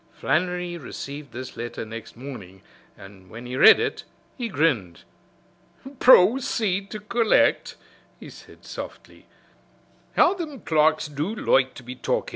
Flannery received this letter next morning, and when he read it he grinned. "Proceed to collect," he said softly. "How thim clerks do loike to be talkin'!